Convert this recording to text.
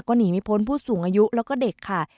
ก็หนีไม่พ้นผู้สูงอายุแล้วก็เด็กค่ะ